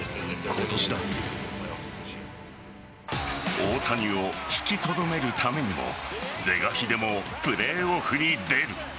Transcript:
大谷を引きとどめるためにも是が非でもプレーオフに出る。